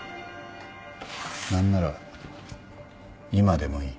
何なら今でもいい。